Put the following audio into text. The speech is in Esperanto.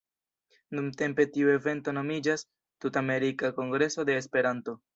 Nuntempe tiu evento nomiĝas "Tut-Amerika Kongreso de Esperanto".